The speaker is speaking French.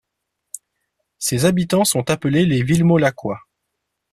Ses habitants sont appelés les Villemolaquois.